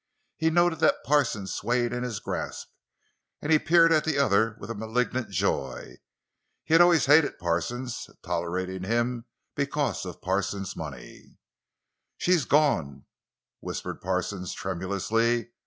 He noted that Parsons swayed in his grasp, and he peered at the other with a malignant joy. He had always hated Parsons, tolerating him because of Parsons' money. "She's gone," whispered Parsons tremulously.